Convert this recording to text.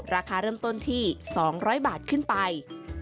ราคาเริ่มต้นที่๒๐๐บาทขึ้นไป